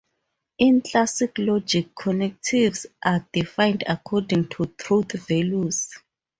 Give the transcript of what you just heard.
In classic logic, connectives are defined according to truth values.